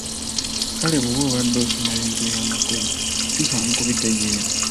Kale bw’oba obadde osoma bintu byamakulu si kyangu kubitegeera .